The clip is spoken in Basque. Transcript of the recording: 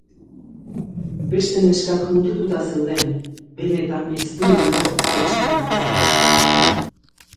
Beste neskak mutututa zeuden, Benetan ez du egingo pentsatuz bezala.